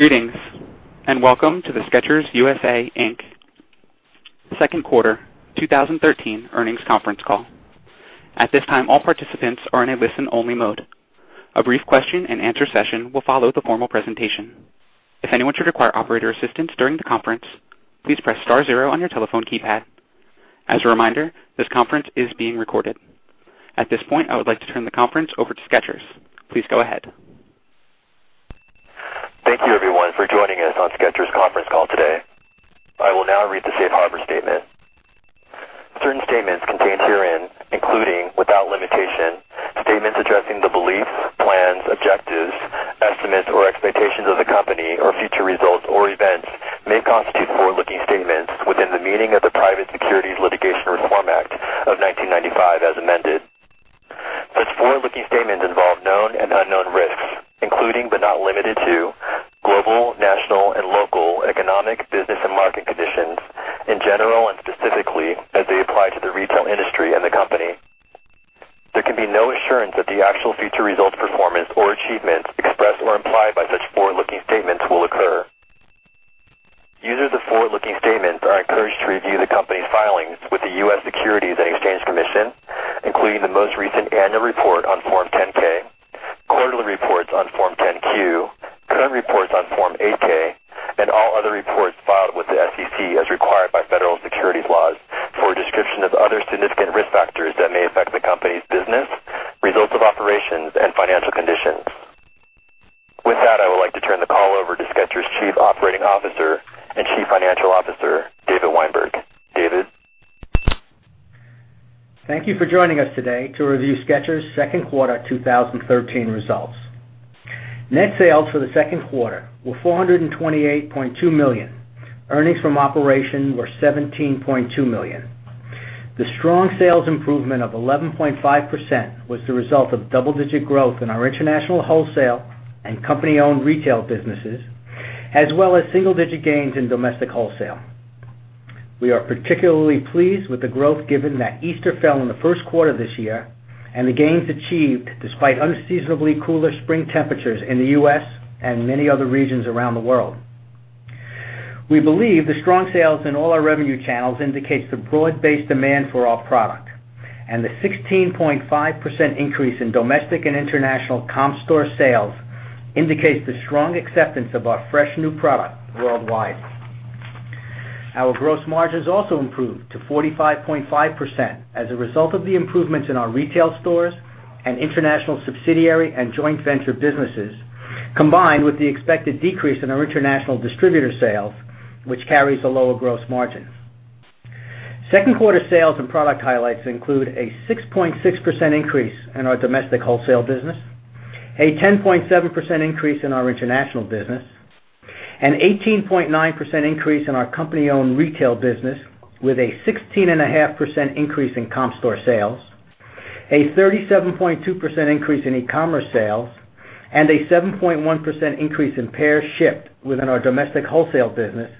Greetings, and welcome to the Skechers U.S.A. Inc., Second Quarter 2013 Earnings Conference Call. At this time, all participants are in a listen-only mode. A brief question and answer session will follow the formal presentation. If anyone should require operator assistance during the conference, please press star zero on your telephone keypad. As a reminder, this conference is being recorded. At this point, I would like to turn the conference over to Skechers. Please go ahead. Thank you everyone for joining us on Skechers' conference call today. I will now read the safe harbor statement. Certain statements contained herein, including, without limitation, statements addressing the beliefs, plans, objectives, estimates, or expectations of the company or future results or events may constitute forward-looking statements within the meaning of the Private Securities Litigation Reform Act of 1995 as amended. Such forward-looking statements involve known and unknown risks, including but not limited to global, national, and local economic, business, and market conditions in general and specifically as they apply to the retail industry and the company. There can be no assurance that the actual future results, performance, or achievements expressed or implied by such forward-looking statements will occur. Users of forward-looking statements are encouraged to review the company's filings with the U.S. Securities and Exchange Commission, including the most recent annual report on Form 10-K, quarterly reports on Form 10-Q, current reports on Form 8-K, and all other reports filed with the SEC as required by federal securities laws for a description of other significant risk factors that may affect the company's business, results of operations, and financial conditions. With that, I would like to turn the call over to Skechers' Chief Operating Officer and Chief Financial Officer, David Weinberg. David? Thank you for joining us today to review Skechers' second quarter 2013 results. Net sales for the second quarter were $428.2 million. Earnings from operations were $17.2 million. The strong sales improvement of 11.5% was the result of double-digit growth in our international wholesale and company-owned retail businesses, as well as single-digit gains in domestic wholesale. We are particularly pleased with the growth given that Easter fell in the first quarter of this year and the gains achieved despite unseasonably cooler spring temperatures in the U.S. and many other regions around the world. We believe the strong sales in all our revenue channels indicates the broad-based demand for our product, and the 16.5% increase in domestic and international comp store sales indicates the strong acceptance of our fresh new product worldwide. Our gross margins also improved to 45.5% as a result of the improvements in our retail stores and international subsidiary and joint venture businesses, combined with the expected decrease in our international distributor sales, which carries a lower gross margin. Second quarter sales and product highlights include a 6.6% increase in our domestic wholesale business, a 10.7% increase in our international business, an 18.9% increase in our company-owned retail business with a 16.5% increase in comp store sales, a 37.2% increase in e-commerce sales, and a 7.1% increase in pairs shipped within our domestic wholesale business,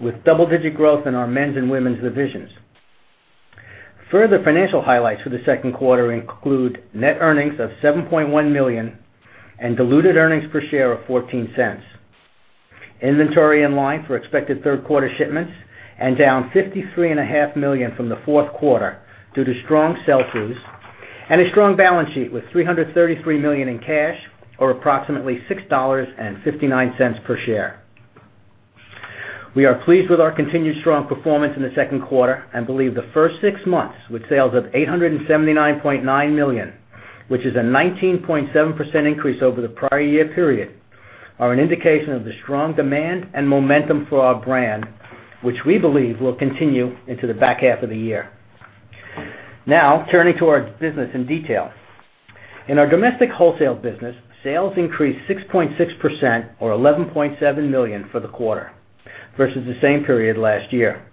with double-digit growth in our men's and women's divisions. Further financial highlights for the second quarter include net earnings of $7.1 million and diluted earnings per share of $0.14. Inventory in line for expected third quarter shipments and down $53.5 million from the fourth quarter due to strong sell-throughs and a strong balance sheet with $333 million in cash or approximately $6.59 per share. We are pleased with our continued strong performance in the second quarter and believe the first six months, with sales of $879.9 million, which is a 19.7% increase over the prior year period, are an indication of the strong demand and momentum for our brand, which we believe will continue into the back half of the year. Turning to our business in detail. In our domestic wholesale business, sales increased 6.6%, or $11.7 million for the quarter versus the same period last year.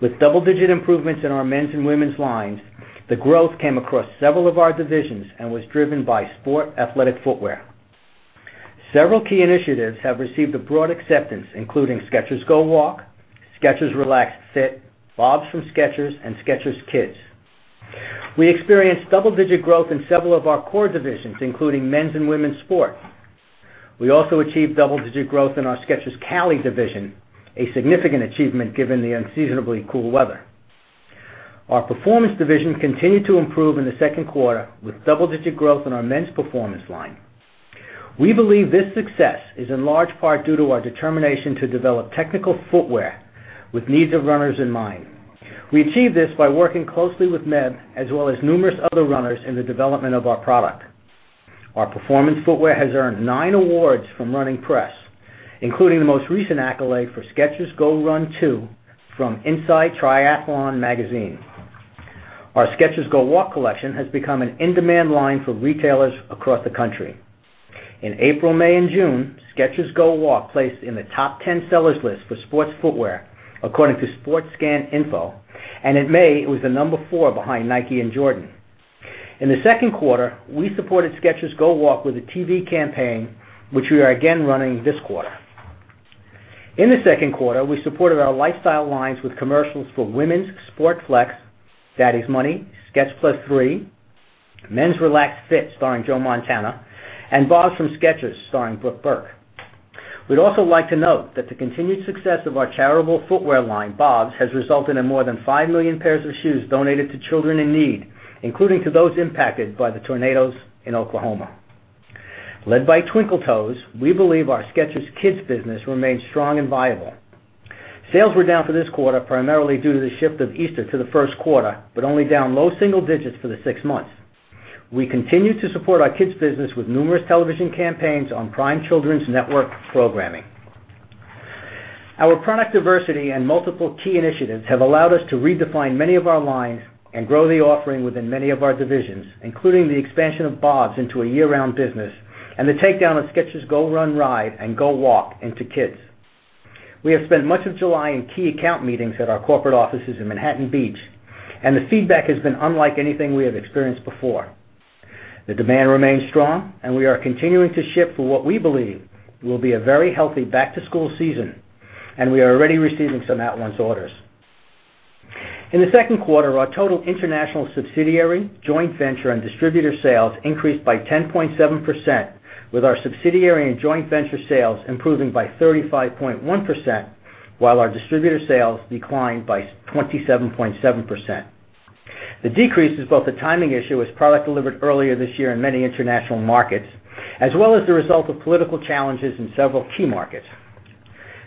With double-digit improvements in our men's and women's lines, the growth came across several of our divisions and was driven by sport athletic footwear. Several key initiatives have received a broad acceptance, including Skechers GO WALK, Skechers Relaxed Fit, BOBS from Skechers, and Skechers Kids. We experienced double-digit growth in several of our core divisions, including men's and women's sport. We also achieved double-digit growth in our Skechers Cali division, a significant achievement given the unseasonably cool weather. Our performance division continued to improve in the second quarter with double-digit growth in our men's performance line. We believe this success is in large part due to our determination to develop technical footwear with needs of runners in mind. We achieve this by working closely with Meb as well as numerous other runners in the development of our product. Our performance footwear has earned nine awards from running press, including the most recent accolade for Skechers GOrun 2 from Inside Triathlon Magazine. Our Skechers GO WALK collection has become an in-demand line for retailers across the country. In April, May, and June, Skechers GO WALK placed in the top 10 sellers list for sports footwear, according to Sportscan Info, and in May, it was the number 4 behind Nike and Jordan. In the second quarter, we supported Skechers GO WALK with a TV campaign, which we are again running this quarter. In the second quarter, we supported our lifestyle lines with commercials for Flex Appeal, Daddy's Money, Skech+ 3, Men's Relaxed Fit starring Joe Montana, and BOBS from Skechers starring Brooke Burke. We'd also like to note that the continued success of our charitable footwear line, BOBS, has resulted in more than 5 million pairs of shoes donated to children in need, including to those impacted by the tornadoes in Oklahoma. Led by Twinkle Toes, we believe our Skechers Kids business remains strong and viable. Sales were down for this quarter, primarily due to the shift of Easter to the first quarter, but only down low single digits for the six months. We continue to support our Kids business with numerous television campaigns on prime children's network programming. Our product diversity and multiple key initiatives have allowed us to redefine many of our lines and grow the offering within many of our divisions, including the expansion of BOBS into a year-round business and the takedown of Skechers GOrun Ride and GO WALK into Kids. We have spent much of July in key account meetings at our corporate offices in Manhattan Beach. The feedback has been unlike anything we have experienced before. The demand remains strong. We are continuing to ship for what we believe will be a very healthy back-to-school season. We are already receiving some [outruns orders]. In the second quarter, our total international subsidiary, joint venture, and distributor sales increased by 10.7%, with our subsidiary and joint venture sales improving by 35.1%, while our distributor sales declined by 27.7%. The decrease is both a timing issue as product delivered earlier this year in many international markets, as well as the result of political challenges in several key markets.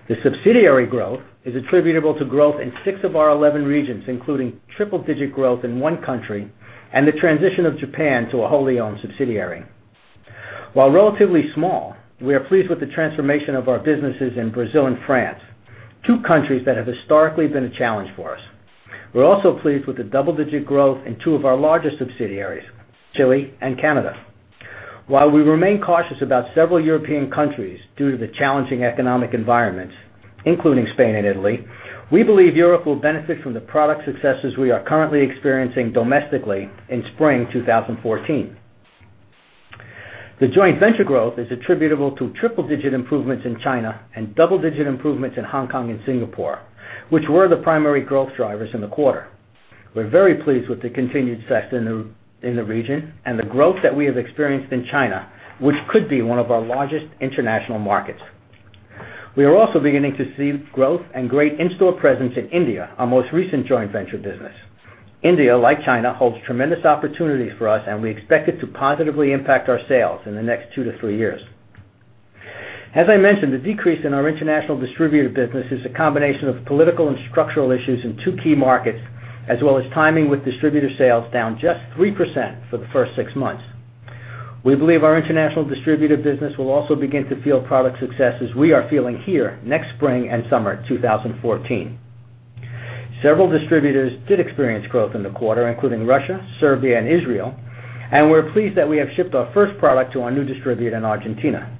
The subsidiary growth is attributable to growth in six of our 11 regions, including triple-digit growth in one country and the transition of Japan to a wholly owned subsidiary. While relatively small, we are pleased with the transformation of our businesses in Brazil and France, two countries that have historically been a challenge for us. We're also pleased with the double-digit growth in two of our largest subsidiaries, Chile and Canada. While we remain cautious about several European countries due to the challenging economic environments, including Spain and Italy, we believe Europe will benefit from the product successes we are currently experiencing domestically in spring 2014. The joint venture growth is attributable to triple-digit improvements in China and double-digit improvements in Hong Kong and Singapore, which were the primary growth drivers in the quarter. We're very pleased with the continued success in the region and the growth that we have experienced in China, which could be one of our largest international markets. We are also beginning to see growth and great in-store presence in India, our most recent joint venture business. India, like China, holds tremendous opportunities for us. We expect it to positively impact our sales in the next two to three years. As I mentioned, the decrease in our international distributor business is a combination of political and structural issues in two key markets, as well as timing with distributor sales down just 3% for the first six months. We believe our international distributor business will also begin to feel product successes we are feeling here next spring and summer 2014. Several distributors did experience growth in the quarter, including Russia, Serbia, and Israel. We're pleased that we have shipped our first product to our new distributor in Argentina.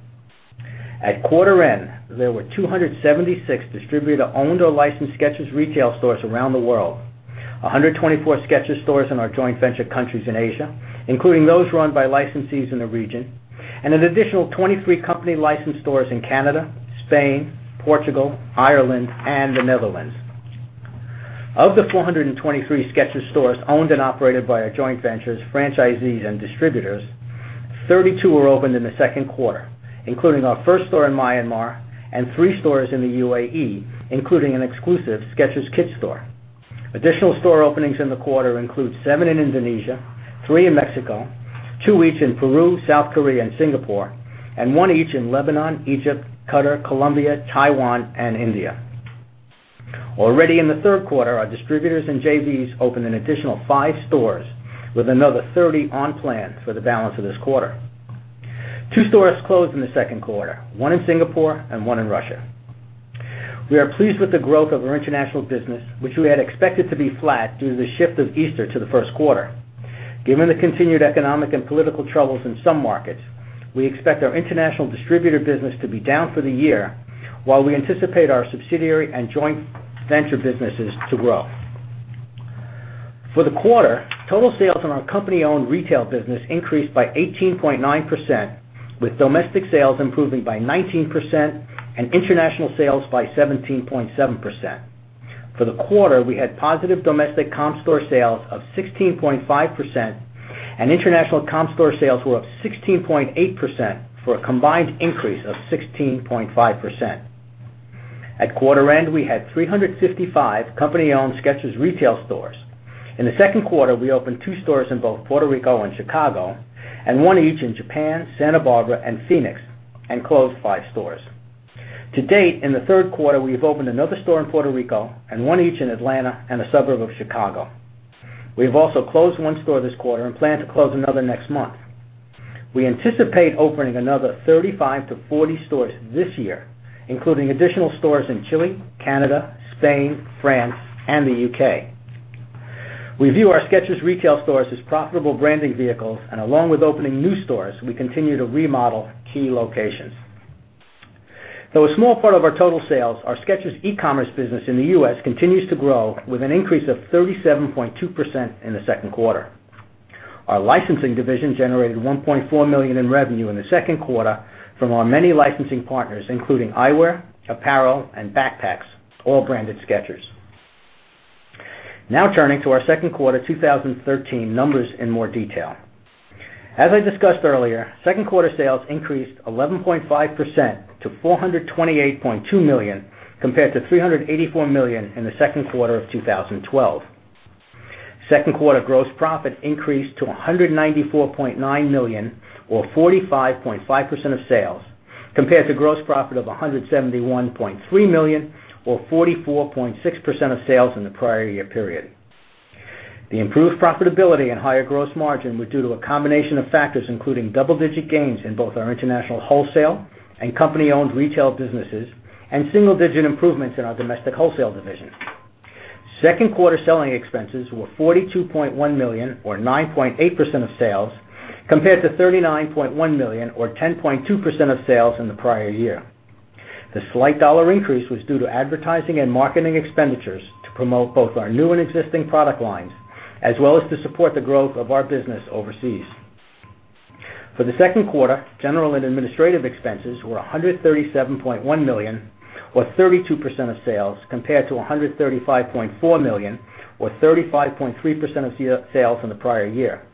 At quarter end, there were 276 distributor-owned or licensed Skechers retail stores around the world, 124 Skechers stores in our joint venture countries in Asia, including those run by licensees in the region, and an additional 23 company licensed stores in Canada, Spain, Portugal, Ireland, and the Netherlands. Of the 423 Skechers stores owned and operated by our joint ventures, franchisees, and distributors, 32 were opened in the second quarter, including our first store in Myanmar and three stores in the UAE, including an exclusive Skechers Kids store. Additional store openings in the quarter include seven in Indonesia, three in Mexico, two each in Peru, South Korea, and Singapore, and one each in Lebanon, Egypt, Qatar, Colombia, Taiwan, and India. Already in the third quarter, our distributors and JVs opened an additional five stores with another 30 on plan for the balance of this quarter. Two stores closed in the second quarter, one in Singapore and one in Russia. We are pleased with the growth of our international business, which we had expected to be flat due to the shift of Easter to the first quarter. Given the continued economic and political troubles in some markets, we expect our international distributor business to be down for the year while we anticipate our subsidiary and joint venture businesses to grow. For the quarter, total sales in our company-owned retail business increased by 18.9%, with domestic sales improving by 19% and international sales by 17.7%. For the quarter, we had positive domestic comparable store sales of 16.5%, and international comparable store sales were up 16.8%, for a combined increase of 16.5%. At quarter end, we had 355 company-owned Skechers retail stores. In the second quarter, we opened two stores in both Puerto Rico and Chicago and one each in Japan, Santa Barbara, and Phoenix, and closed five stores. To date, in the third quarter, we have opened another store in Puerto Rico and one each in Atlanta and a suburb of Chicago. We have also closed one store this quarter and plan to close another next month. We anticipate opening another 35 to 40 stores this year, including additional stores in Chile, Canada, Spain, France, and the U.K. We view our Skechers retail stores as profitable branding vehicles, and along with opening new stores, we continue to remodel key locations. Though a small part of our total sales, our Skechers e-commerce business in the U.S. continues to grow with an increase of 37.2% in the second quarter. Our licensing division generated $1.4 million in revenue in the second quarter from our many licensing partners, including eyewear, apparel, and backpacks, all branded Skechers. Turning to our second quarter 2013 numbers in more detail. As I discussed earlier, second quarter sales increased 11.5% to $428.2 million, compared to $384 million in the second quarter of 2012. Second quarter gross profit increased to $194.9 million or 45.5% of sales, compared to gross profit of $171.3 million or 44.6% of sales in the prior year period. The improved profitability and higher gross margin were due to a combination of factors, including double-digit gains in both our international wholesale and company-owned retail businesses, and single-digit improvements in our domestic wholesale division. Second quarter selling expenses were $42.1 million or 9.8% of sales, compared to $39.1 million or 10.2% of sales in the prior year. The slight dollar increase was due to advertising and marketing expenditures to promote both our new and existing product lines, as well as to support the growth of our business overseas. For the second quarter, general and administrative expenses were $137.1 million or 32% of sales, compared to $135.4 million or 35.3% of sales in the prior year.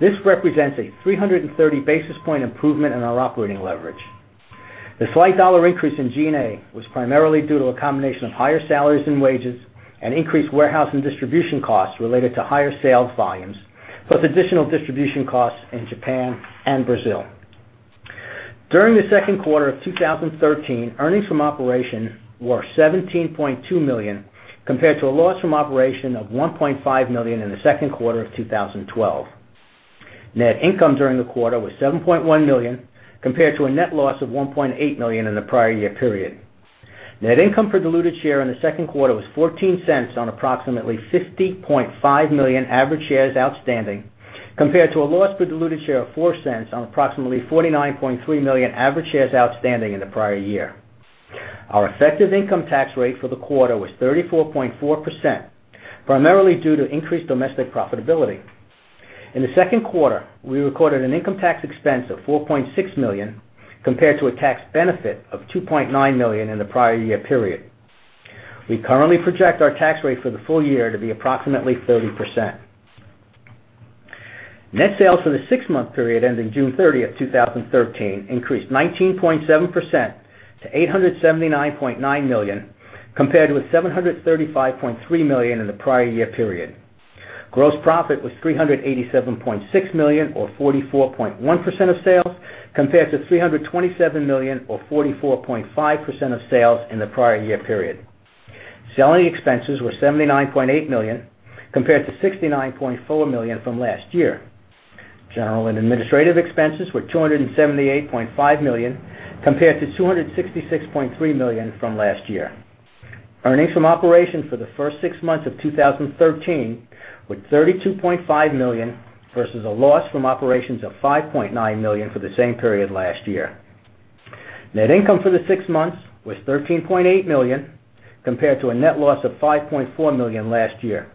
This represents a 330 basis point improvement in our operating leverage. The slight dollar increase in G&A was primarily due to a combination of higher salaries and wages and increased warehouse and distribution costs related to higher sales volumes, plus additional distribution costs in Japan and Brazil. During the second quarter of 2013, earnings from operation were $17.2 million, compared to a loss from operation of $1.5 million in the second quarter of 2012. Net income during the quarter was $7.1 million, compared to a net loss of $1.8 million in the prior year period. Net income per diluted share in the second quarter was $0.14 on approximately 50.5 million average shares outstanding, compared to a loss per diluted share of $0.04 on approximately 49.3 million average shares outstanding in the prior year. Our effective income tax rate for the quarter was 34.4%, primarily due to increased domestic profitability. In the second quarter, we recorded an income tax expense of $4.6 million, compared to a tax benefit of $2.9 million in the prior year period. We currently project our tax rate for the full year to be approximately 30%. Net sales for the six-month period ending June 30th, 2013, increased 19.7% to $879.9 million, compared to the $735.3 million in the prior year period. Gross profit was $387.6 million or 44.1% of sales, compared to $327 million or 44.5% of sales in the prior year period. Selling expenses were $79.8 million, compared to $69.4 million from last year. General and administrative expenses were $278.5 million, compared to $266.3 million from last year. Earnings from operations for the first six months of 2013 were $32.5 million versus a loss from operations of $5.9 million for the same period last year. Net income for the six months was $13.8 million, compared to a net loss of $5.4 million last year.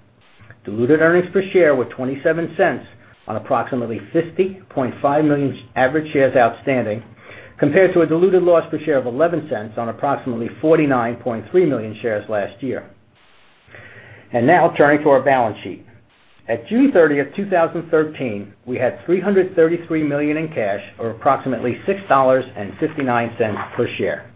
Diluted earnings per share were $0.27 on approximately 50.5 million average shares outstanding, compared to a diluted loss per share of $0.11 on approximately 49.3 million shares last year. Now turning to our balance sheet. At June 30th, 2013, we had $333 million in cash or approximately $6.59 per share.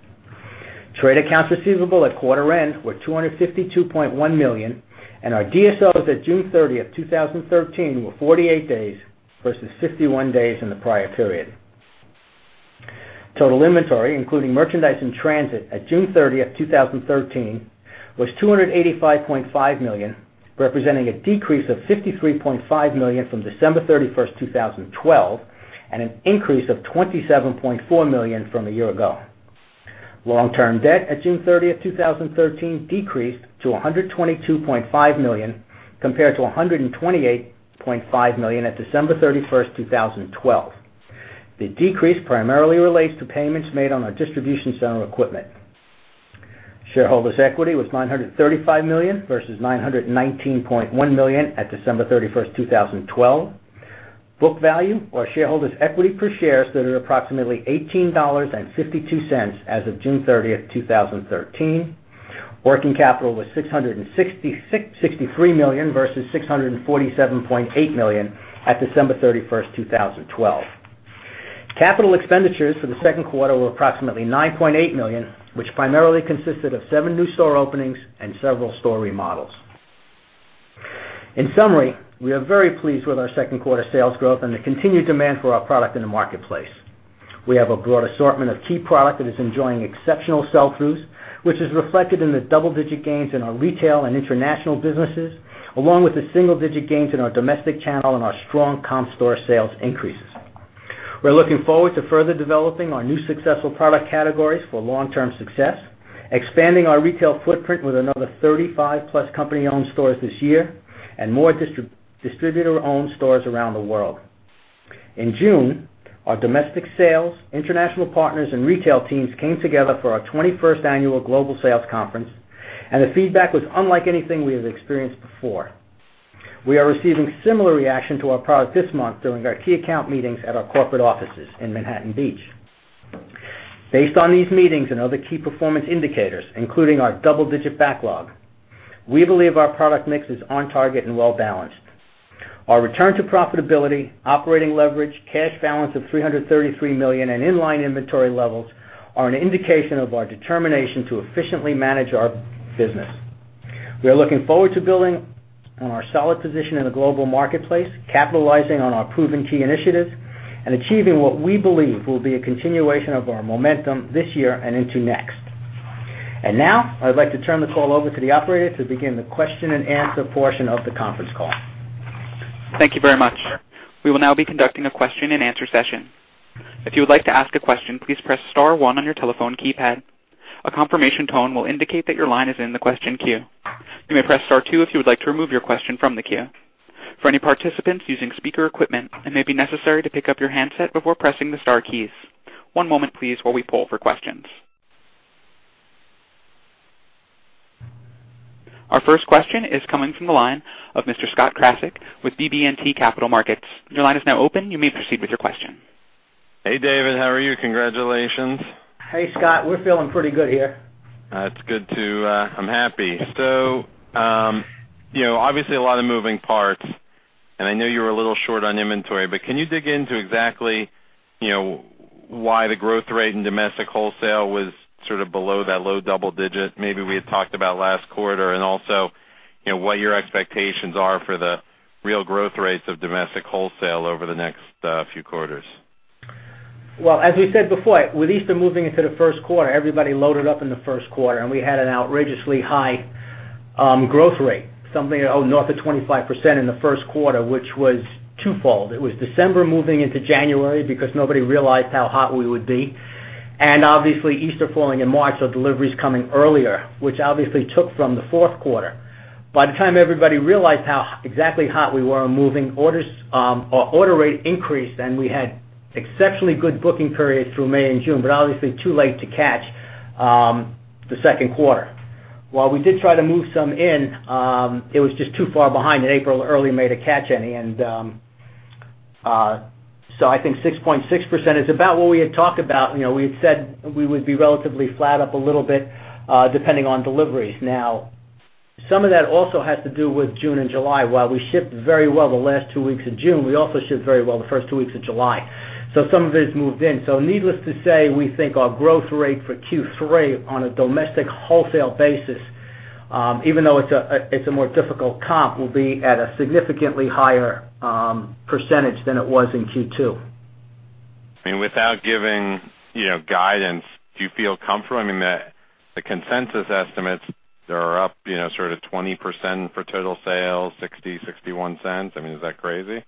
Trade accounts receivable at quarter end were $252.1 million, and our DSOs at June 30th, 2013, were 48 days versus 51 days in the prior period. Total inventory, including merchandise in transit at June 30th, 2013, was $285.5 million, representing a decrease of $53.5 million from December 31st, 2012, and an increase of $27.4 million from a year ago. Long-term debt at June 30th, 2013, decreased to $122.5 million compared to $128.5 million at December 31st, 2012. The decrease primarily relates to payments made on our distribution center equipment. Shareholders' equity was $935 million versus $919.1 million at December 31st, 2012. Book value or shareholders' equity per share stood at approximately $18.52 as of June 30th, 2013. Working capital was $663 million versus $647.8 million at December 31st, 2012. Capital expenditures for the second quarter were approximately $9.8 million, which primarily consisted of seven new store openings and several store remodels. In summary, we are very pleased with our second quarter sales growth and the continued demand for our product in the marketplace. We have a broad assortment of key product that is enjoying exceptional sell-throughs, which is reflected in the double-digit gains in our retail and international businesses, along with the single-digit gains in our domestic channel and our strong comp store sales increases. We are looking forward to further developing our new successful product categories for long-term success, expanding our retail footprint with another 35-plus company-owned stores this year, and more distributor-owned stores around the world. In June, our domestic sales, international partners, and retail teams came together for our 21st annual global sales conference, the feedback was unlike anything we have experienced before. We are receiving similar reaction to our product this month during our key account meetings at our corporate offices in Manhattan Beach. Based on these meetings and other key performance indicators, including our double-digit backlog, we believe our product mix is on target and well-balanced. Our return to profitability, operating leverage, cash balance of $333 million, and in-line inventory levels are an indication of our determination to efficiently manage our business. We are looking forward to building on our solid position in the global marketplace, capitalizing on our proven key initiatives, and achieving what we believe will be a continuation of our momentum this year and into next. Now, I'd like to turn the call over to the operator to begin the question and answer portion of the conference call. Thank you very much. We will now be conducting a question and answer session. If you would like to ask a question, please press star one on your telephone keypad. A confirmation tone will indicate that your line is in the question queue. You may press star two if you would like to remove your question from the queue. For any participants using speaker equipment, it may be necessary to pick up your handset before pressing the star keys. One moment, please, while we pull for questions. Our first question is coming from the line of Mr. Scott Krasik with BB&T Capital Markets. Your line is now open. You may proceed with your question. Hey, David. How are you? Congratulations. Hey, Scott. We're feeling pretty good here. That's good to I'm happy. Obviously, a lot of moving parts, and I know you're a little short on inventory, but can you dig into exactly why the growth rate in domestic wholesale was sort of below that low double-digit maybe we had talked about last quarter? Also, what your expectations are for the real growth rates of domestic wholesale over the next few quarters? Well, as we said before, with Easter moving into the first quarter, everybody loaded up in the first quarter, and we had an outrageously high growth rate, something north of 25% in the first quarter, which was twofold. It was December moving into January because nobody realized how hot we would be. Obviously, Easter falling in March, so deliveries coming earlier, which obviously took from the fourth quarter. By the time everybody realized exactly how we were moving, our order rate increased, and we had exceptionally good booking periods through May and June, but obviously too late to catch the second quarter. While we did try to move some in, it was just too far behind in April, early May to catch any. I think 6.6% is about what we had talked about. We had said we would be relatively flat, up a little bit, depending on deliveries. Now, some of that also has to do with June and July. While we shipped very well the last two weeks of June, we also shipped very well the first two weeks of July. Some of it is moved in. Needless to say, we think our growth rate for Q3 on a domestic wholesale basis, even though it's a more difficult comp, will be at a significantly higher percentage than it was in Q2. Without giving guidance, do you feel comfortable? I mean, the consensus estimates are up sort of 20% for total sales, $0.60-$0.61. I mean, is that crazy?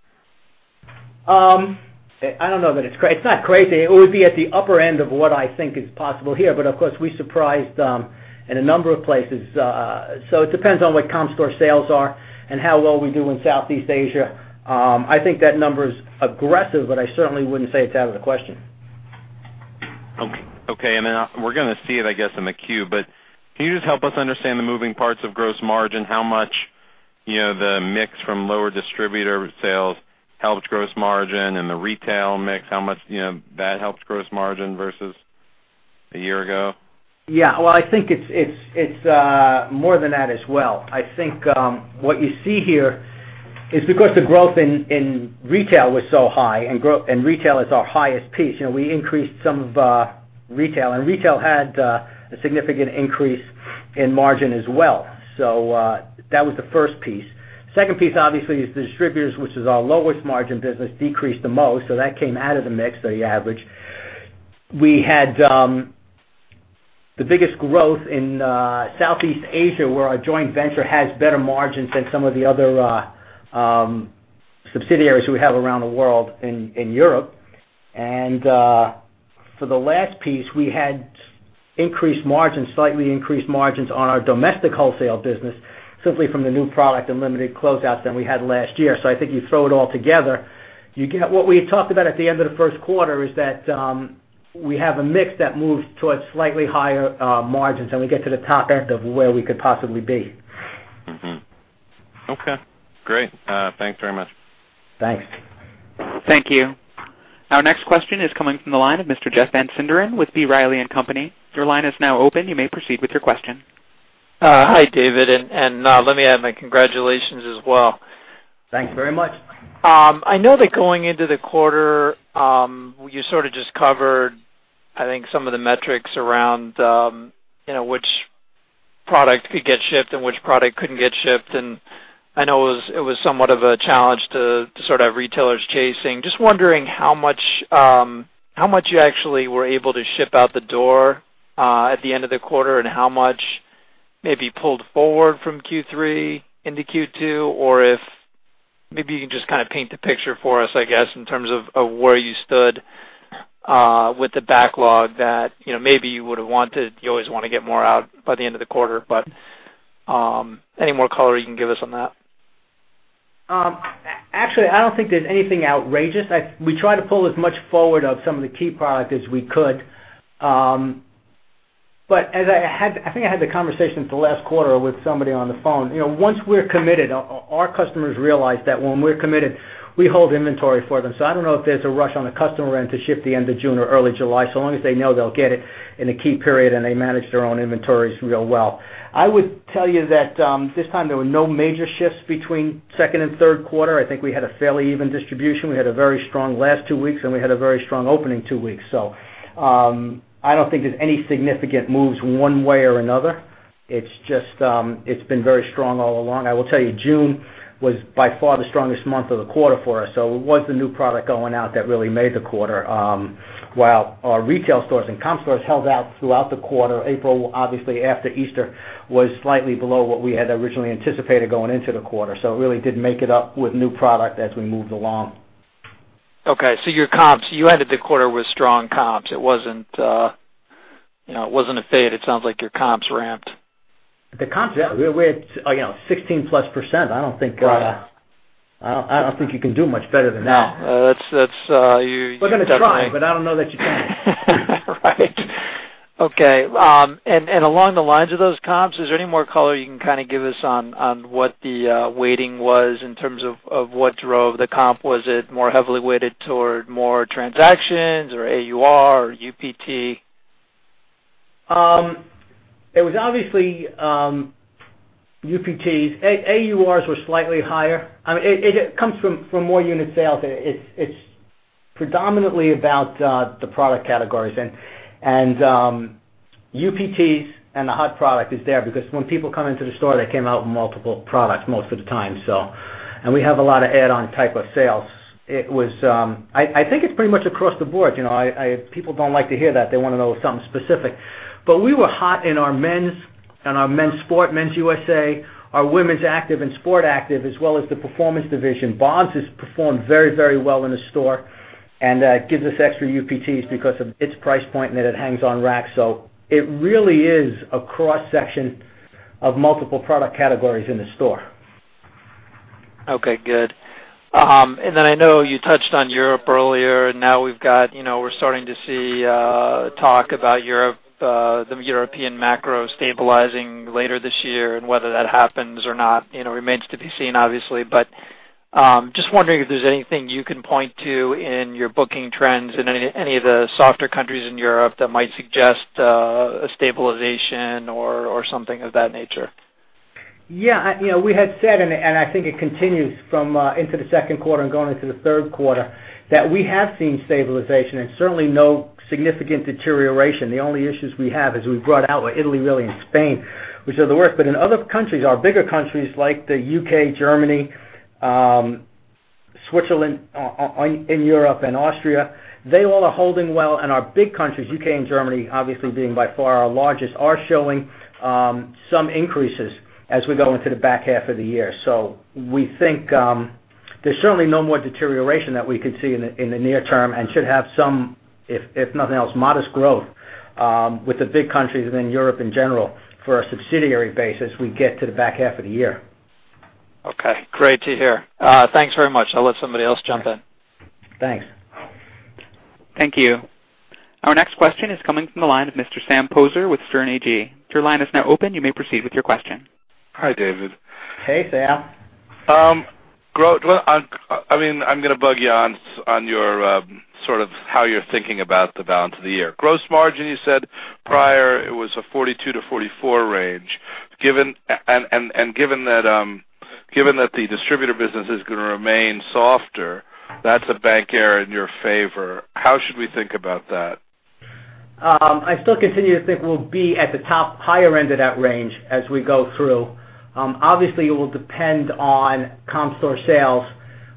I don't know that it's not crazy. It would be at the upper end of what I think is possible here, but of course, we surprised in a number of places. It depends on what Comparable store sales are and how well we do in Southeast Asia. I think that number's aggressive, but I certainly wouldn't say it's out of the question. Okay. We're going to see it, I guess, in the Form 10-Q, but can you just help us understand the moving parts of gross margin, how much the mix from lower distributor sales helps gross margin and the retail mix, how much that helps gross margin versus a year ago? Yeah. Well, I think it's more than that as well. I think what you see here is because the growth in retail was so high, and retail is our highest piece, we increased some of retail, and retail had a significant increase in margin as well. That was the first piece. Second piece, obviously, is the distributors, which is our lowest margin business, decreased the most, so that came out of the mix, the average. We had the biggest growth in Southeast Asia, where our joint venture has better margins than some of the other subsidiaries we have around the world in Europe. For the last piece, we had increased margins, slightly increased margins on our domestic wholesale business, simply from the new product and limited closeouts than we had last year. I think you throw it all together, you get what we had talked about at the end of the first quarter, is that we have a mix that moves towards slightly higher margins, and we get to the top end of where we could possibly be. Mm-hmm. Okay, great. Thanks very much. Thanks. Thank you. Our next question is coming from the line of Mr. Jeff Van Sinderen with B. Riley & Co.. Your line is now open. You may proceed with your question. Hi, David. Let me add my congratulations as well. Thanks very much. I know that going into the quarter, you sort of just covered, I think, some of the metrics around which product could get shipped and which product couldn't get shipped. I know it was somewhat of a challenge to sort out retailers chasing. Just wondering how much you actually were able to ship out the door at the end of the quarter, and how much maybe pulled forward from Q3 into Q2? If maybe you can just kind of paint the picture for us, I guess, in terms of where you stood with the backlog that maybe you would've wanted. You always want to get more out by the end of the quarter. Any more color you can give us on that? Actually, I don't think there's anything outrageous. We try to pull as much forward of some of the key product as we could. I think I had the conversation at the last quarter with somebody on the phone. Once we're committed, our customers realize that when we're committed, we hold inventory for them. I don't know if there's a rush on the customer end to ship the end of June or early July, so long as they know they'll get it in the key period and they manage their own inventories real well. I would tell you that this time there were no major shifts between second and third quarter. I think we had a fairly even distribution. We had a very strong last two weeks, and we had a very strong opening two weeks. I don't think there's any significant moves one way or another. It's been very strong all along. I will tell you, June was by far the strongest month of the quarter for us. It was the new product going out that really made the quarter. While our retail stores and comp stores held out throughout the quarter, April, obviously after Easter, was slightly below what we had originally anticipated going into the quarter. It really did make it up with new product as we moved along. Okay, your comps, you ended the quarter with strong comps. It wasn't a fade. It sounds like your comps ramped. The comps, yeah. We're at 16-plus %. I don't think. Right I don't think you can do much better than that. No. That's, you definitely. We're going to try, but I don't know that you can. Right. Okay. Along the lines of those comps, is there any more color you can give us on what the weighting was in terms of what drove the comp? Was it more heavily weighted toward more transactions or AUR or UPT? It was obviously UPTs. AURs were slightly higher. It comes from more unit sales. It's predominantly about the product categories. UPTs and the hot product is there because when people come into the store, they came out with multiple products most of the time. We have a lot of add-on type of sales. I think it's pretty much across the board. People don't like to hear that. They want to know something specific. We were hot in our men's and our men's sport, Men's USA, our women's active and sport active, as well as the Skechers Performance division. BOBS has performed very well in the store and gives us extra UPTs because of its price point and that it hangs on racks. It really is a cross-section of multiple product categories in the store. Okay, good. I know you touched on Europe earlier. Now we're starting to see talk about the European macro stabilizing later this year, and whether that happens or not remains to be seen, obviously. Just wondering if there's anything you can point to in your booking trends in any of the softer countries in Europe that might suggest a stabilization or something of that nature. Yeah. We had said, I think it continues into the second quarter and going into the third quarter, that we have seen stabilization and certainly no significant deterioration. The only issues we have, as we've brought out, are Italy, really, and Spain, which are the worst. In other countries, our bigger countries like the U.K., Germany, Switzerland in Europe, and Austria, they all are holding well. Our big countries, U.K. and Germany, obviously being by far our largest, are showing some increases as we go into the back half of the year. We think there's certainly no more deterioration that we could see in the near term and should have some, if nothing else, modest growth with the big countries within Europe in general for our subsidiary base as we get to the back half of the year. Okay. Great to hear. Thanks very much. I'll let somebody else jump in. Thanks. Thank you. Our next question is coming from the line of Mr. Sam Poser with Sterne Agee. Your line is now open. You may proceed with your question. Hi, David. Hey, Sam. I'm going to bug you on sort of how you're thinking about the balance of the year. Gross margin, you said prior it was a 42%-44% range. Given that the distributor business is going to remain softer, that's a bank error in your favor. How should we think about that? I still continue to think we'll be at the top higher end of that range as we go through. Obviously, it will depend on Comparable store sales.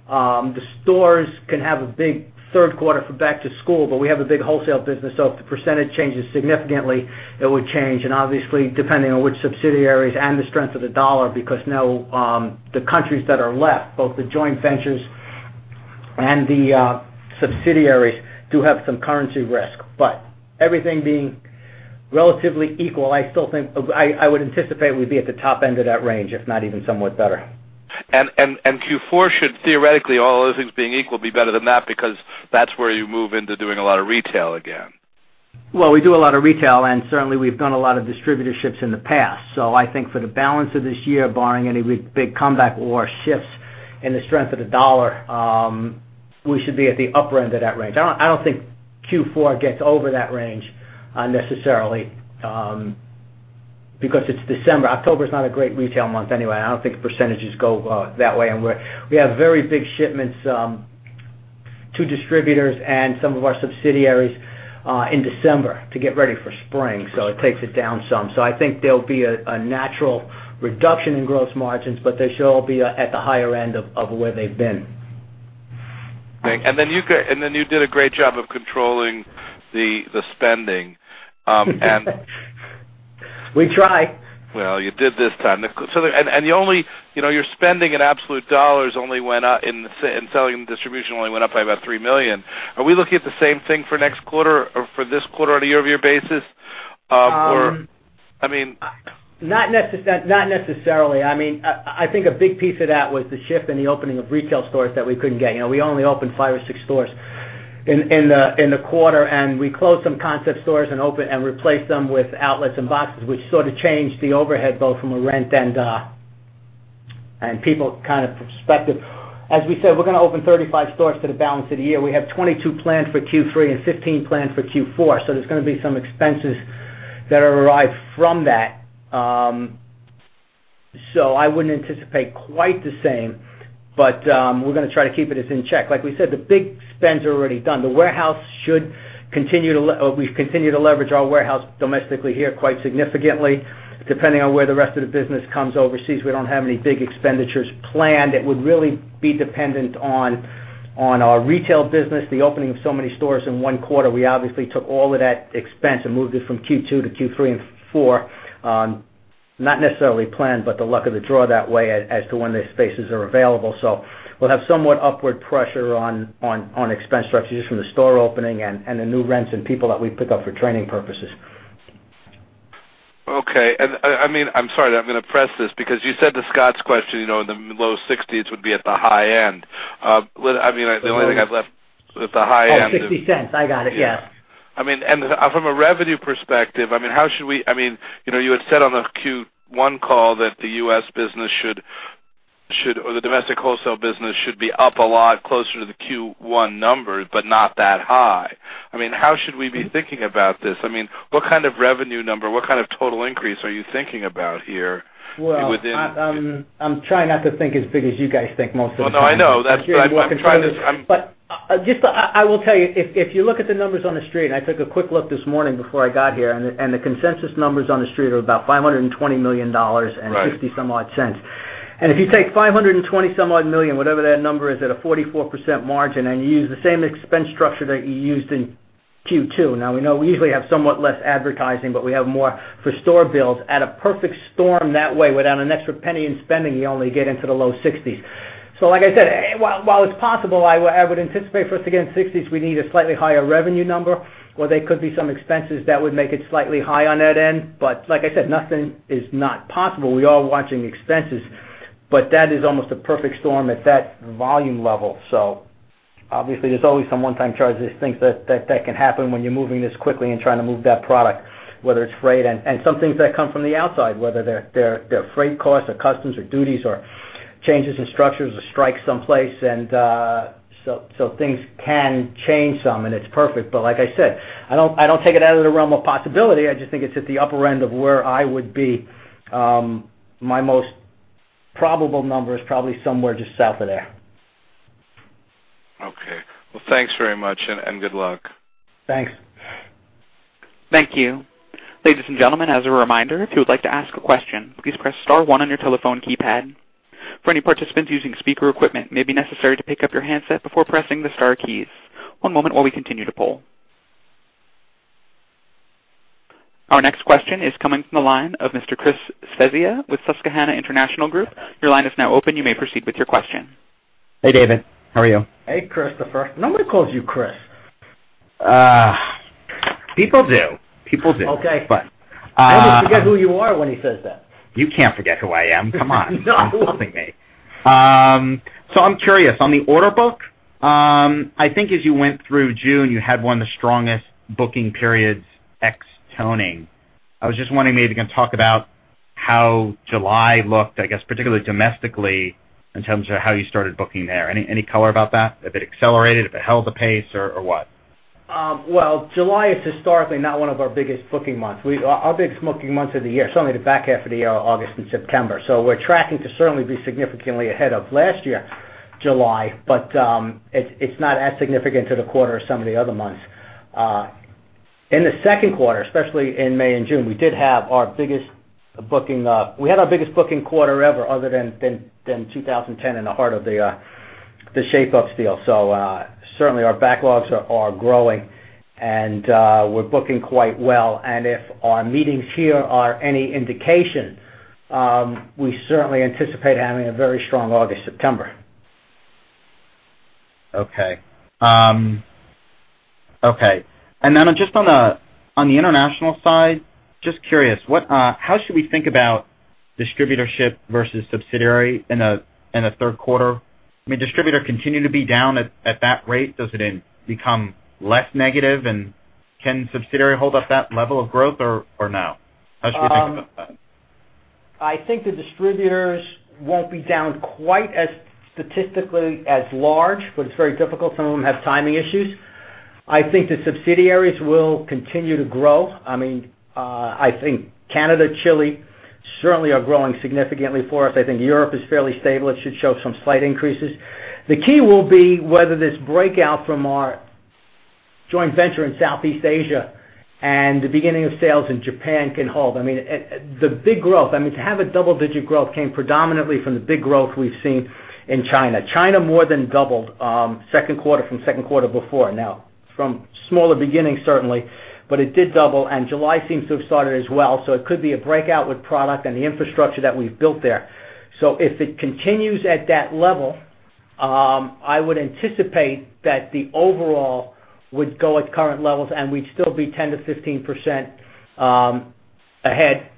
The stores can have a big third quarter for back to school, but we have a big wholesale business, so if the percentage changes significantly, it would change. Obviously, depending on which subsidiaries and the strength of the dollar, because now the countries that are left, both the joint ventures and the subsidiaries, do have some currency risk. Everything being relatively equal, I would anticipate we'd be at the top end of that range, if not even somewhat better. Q4 should theoretically, all other things being equal, be better than that because that's where you move into doing a lot of retail again. Well, we do a lot of retail, and certainly, we have done a lot of distributorships in the past. I think for the balance of this year, barring any big comeback or shifts in the strength of the dollar, we should be at the upper end of that range. I do not think Q4 gets over that range necessarily because it is December. October's not a great retail month anyway. I do not think the percentages go that way. We have very big shipments to distributors and some of our subsidiaries in December to get ready for spring, so it takes it down some. I think there will be a natural reduction in gross margins, but they should all be at the higher end of where they have been. You did a great job of controlling the spending. We try. Well, you did this time. Your spending in absolute dollars in selling and distribution only went up by about $3 million. Are we looking at the same thing for this quarter on a year-over-year basis? Not necessarily. I think a big piece of that was the shift in the opening of retail stores that we couldn't get. We only opened five or six stores in the quarter, and we closed some concept stores and replaced them with outlets and boxes, which sort of changed the overhead, both from a rent and people perspective. As we said, we're going to open 35 stores for the balance of the year. We have 22 planned for Q3 and 15 planned for Q4. There's going to be some expenses that are derived from that. I wouldn't anticipate quite the same, but we're going to try to keep it in check. Like we said, the big spends are already done. We've continued to leverage our warehouse domestically here quite significantly. Depending on where the rest of the business comes overseas, we don't have any big expenditures planned. It would really be dependent on our retail business, the opening of so many stores in one quarter. We obviously took all of that expense and moved it from Q2 to Q3 and 4, not necessarily planned, but the luck of the draw that way as to when the spaces are available. We'll have somewhat upward pressure on expense structures from the store opening and the new rents and people that we pick up for training purposes. Okay. I'm sorry, I'm going to press this because you said to Scott's question, the low 60s would be at the high end. The only thing I've left with the high end is- Oh, $0.60. I got it. Yes. Yeah. From a revenue perspective, you had said on the Q1 call that the domestic wholesale business should be up a lot closer to the Q1 numbers, but not that high. How should we be thinking about this? What kind of revenue number, what kind of total increase are you thinking about here within- Well, I'm trying not to think as big as you guys think most of the time. Well, no, I know. That's why I'm trying to- I will tell you, if you look at the numbers on The Street, and I took a quick look this morning before I got here, and the consensus numbers on The Street are about $520 million and $0.60. Right. If you take $520 million, whatever that number is, at a 44% margin, you use the same expense structure that you used in Q2. We know we usually have somewhat less advertising, but we have more for store builds at a perfect storm that way, without an extra penny in spending, you only get into the low 60s. Like I said, while it's possible, I would anticipate for us to get in 60s, we'd need a slightly higher revenue number, or there could be some expenses that would make it slightly high on that end. Like I said, nothing is not possible. We are watching expenses, but that is almost a perfect storm at that volume level. Obviously, there's always some one-time charges, things that can happen when you're moving this quickly and trying to move that product, whether it's freight and some things that come from the outside, whether they're freight costs or customs or duties or changes in structures or strikes someplace. Things can change some, and it's perfect. Like I said, I don't take it out of the realm of possibility. I just think it's at the upper end of where I would be. My most probable number is probably somewhere just south of there. Okay. Thanks very much, and good luck. Thanks. Thank you. Ladies and gentlemen, as a reminder, if you would like to ask a question, please press star one on your telephone keypad. For any participants using speaker equipment, it may be necessary to pick up your handset before pressing the star keys. One moment while we continue to poll. Our next question is coming from the line of Mr. Christopher Svezia with Susquehanna International Group. Your line is now open. You may proceed with your question. Hey, David. How are you? Hey, Christopher. Nobody calls you Chris. People do. Okay. But- I always forget who you are when you says that. You can't forget who I am. Come on. No. You're schooling me. I'm curious, on the order book, I think as you went through June, you had one of the strongest booking periods ex toning. I was just wondering maybe you can talk about how July looked, I guess particularly domestically, in terms of how you started booking there. Any color about that? If it accelerated, if it held the pace, or what? July is historically not one of our biggest booking months. Our biggest booking months of the year is certainly the back half of the year, August and September. We're tracking to certainly be significantly ahead of last year, July, but it's not as significant to the quarter as some of the other months. In the second quarter, especially in May and June, we had our biggest booking quarter ever, other than 2010 in the heart of the Shape-ups deal. Certainly our backlogs are growing, and we're booking quite well. If our meetings here are any indication, we certainly anticipate having a very strong August, September. Okay. Then just on the international side, just curious, how should we think about distributorship versus subsidiary in the third quarter? I mean, distributor continue to be down at that rate? Does it become less negative, and can subsidiary hold up that level of growth, or no? How should we think about that? I think the distributors won't be down quite as statistically as large, but it's very difficult. Some of them have timing issues. I think the subsidiaries will continue to grow. I think Canada, Chile certainly are growing significantly for us. I think Europe is fairly stable. It should show some slight increases. The key will be whether this breakout from our joint venture in Southeast Asia and the beginning of sales in Japan can hold. The big growth, to have a double-digit growth came predominantly from the big growth we've seen in China. China more than doubled second quarter from second quarter before now. From smaller beginnings certainly, but it did double, and July seems to have started as well. It could be a breakout with product and the infrastructure that we've built there. If it continues at that level, I would anticipate that the overall would go at current levels and we'd still be 10%-15% ahead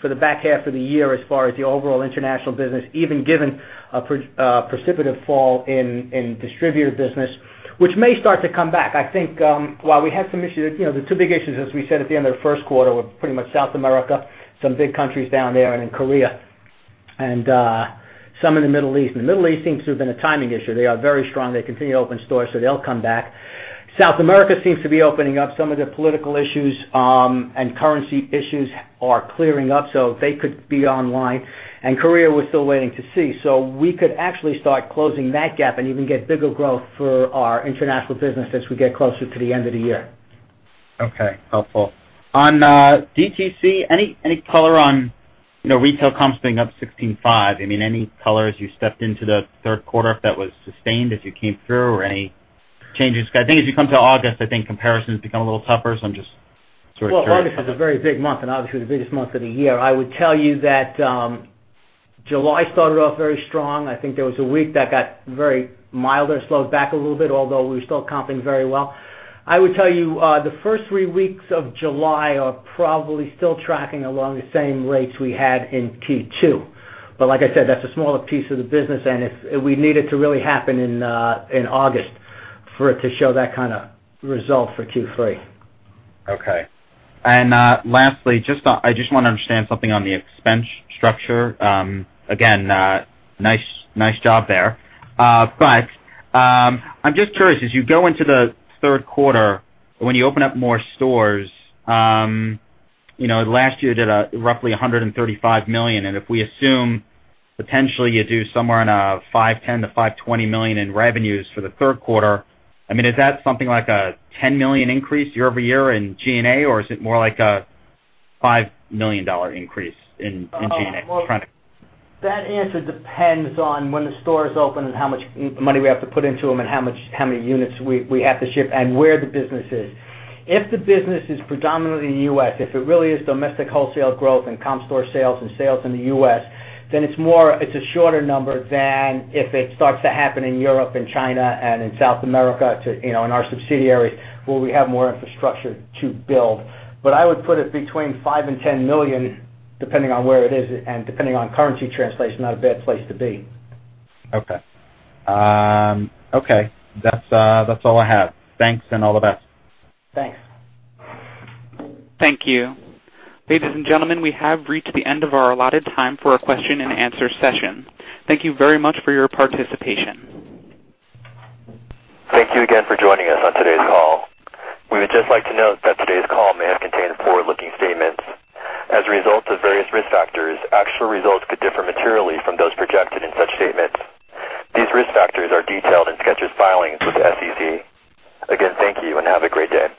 for the back half of the year as far as the overall international business, even given a precipitative fall in distributor business, which may start to come back. I think while we had some issues, the two big issues, as we said at the end of the first quarter, were pretty much South America, some big countries down there and in Korea, and some in the Middle East. The Middle East seems to have been a timing issue. They are very strong. They continue to open stores, so they'll come back. South America seems to be opening up some of their political issues, and currency issues are clearing up, so they could be online. Korea, we're still waiting to see. We could actually start closing that gap and even get bigger growth for our international business as we get closer to the end of the year. Okay. Helpful. On DTC, any color on retail comp being up 16.5%? Any color as you stepped into the third quarter if that was sustained as you came through or any changes? I think as you come to August, I think comparisons become a little tougher, so I'm just sort of curious. Well, August is a very big month and obviously the biggest month of the year. I would tell you that July started off very strong. I think there was a week that got very mild or slowed back a little bit, although we were still comping very well. I would tell you the first 3 weeks of July are probably still tracking along the same rates we had in Q2. Like I said, that's a smaller piece of the business, and we need it to really happen in August for it to show that kind of result for Q3. Okay. Lastly, I just want to understand something on the expense structure. Again, nice job there. I'm just curious, as you go into the 3rd quarter, when you open up more stores, last year did roughly $135 million, if we assume potentially you do somewhere in a $510 million-$520 million in revenues for the 3rd quarter, is that something like a $10 million increase year-over-year in G&A, or is it more like a $5 million increase in G&A? I'm trying to- That answer depends on when the stores open and how much money we have to put into them and how many units we have to ship and where the business is. If the business is predominantly U.S., if it really is domestic wholesale growth and Comparable store sales and sales in the U.S., then it's a shorter number than if it starts to happen in Europe and China and in South America, in our subsidiaries, where we have more infrastructure to build. I would put it between $5 million and $10 million, depending on where it is and depending on currency translation, not a bad place to be. Okay. That's all I have. Thanks and all the best. Thanks. Thank you. Ladies and gentlemen, we have reached the end of our allotted time for our question and answer session. Thank you very much for your participation. Thank you again for joining us on today's call. We would just like to note that today's call may have contained forward-looking statements. As a result of various risk factors, actual results could differ materially from those projected in such statements. These risk factors are detailed in Skechers' filings with the SEC. Again, thank you and have a great day.